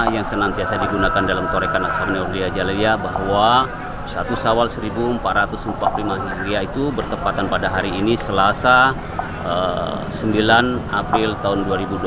yang senantiasa digunakan dalam torekan ashab nurul ijaleya bahwa satu sawat seribu empat ratus empat puluh lima hijrah itu bertempatan pada hari ini selama satu tahun